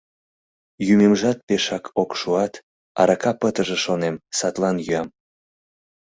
Йӱмемжат пешак ок шуат, арака пытыже, шонем, садлан йӱам.